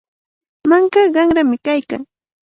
Mankaqa qanrami kaykan.